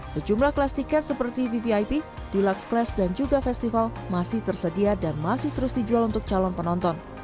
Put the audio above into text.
sejumlah kelas tiket seperti vvip deluxe plus dan juga festival masih tersedia dan masih terus dijual untuk calon penonton